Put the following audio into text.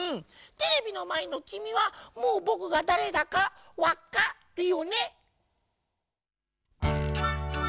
「テレビのまえのきみはもうぼくがだれだかわっかるよね？」。